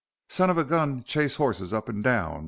"Son of a gun chase horses up and down.